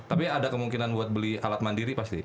tapi ada kemungkinan buat beli alat mandiri pasti